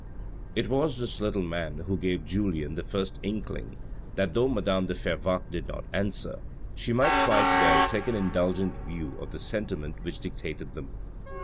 4*2 THE RED AND THE BLACK It was this little man who gave Julien the first inkling that though madame de Fervaques did not answer, she might quite well take an indulgent view of the sentiment which dictated them.